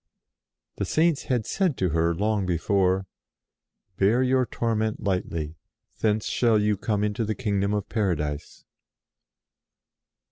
The Saints had said to her, long before :" Bear your torment lightly : thence shall you come into the kingdom of Paradise."